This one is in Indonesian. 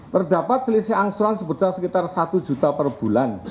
terdapat selisih angsuran sebesar sekitar satu juta per bulan